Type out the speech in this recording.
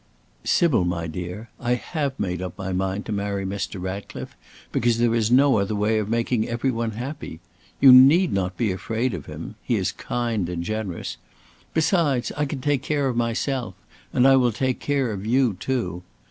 "Sybil, dear, I have made up my mind to marry Mr. Ratcliffe because there is no other way of making every one happy. You need not be afraid of him. He is kind and generous. Besides, I can take care of myself; and I will take care of you too.